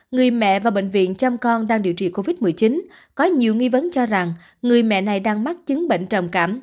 người mẹ và bệnh viện chăm con đang điều trị covid một mươi chín có nhiều nghi vấn cho rằng người mẹ này đang mắc chứng bệnh trầm cảm